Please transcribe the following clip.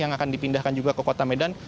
yang akan dipindahkan juga ke kota medan